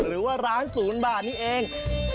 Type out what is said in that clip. หรือว่าร้าน๐บาทนี่เอง